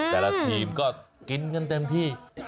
แต่ละทีมก็กินกันเต็มที่